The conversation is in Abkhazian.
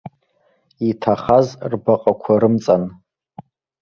Иҭахаз рбаҟақәа рымҵан.